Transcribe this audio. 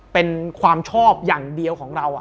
เป็นความชอบอย่างเดียวของเรา